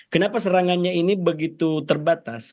kenapa serangannya ini begitu terbatas